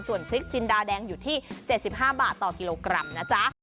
ส่วนพริกจินดาแดงอยู่ที่๗๕บาทต่อกิโลกรัมนะจ๊ะ